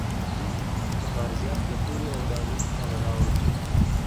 غازیان د تورو او ډالونو سره راوړل.